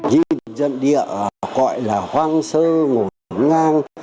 những dân địa gọi là hoang sơ ngổ ngang